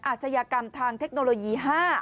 อาชญากรรมทางเทคโนโลยี๕